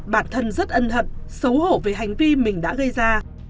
bản thân rất ân hận xấu hổ về hành vi mình đã gây ra